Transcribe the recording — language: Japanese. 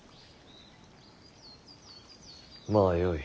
まあよい。